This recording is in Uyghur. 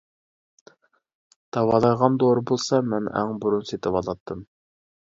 داۋالايدىغان دورا بولسا مەن ئەڭ بۇرۇن سېتىۋالاتتىم.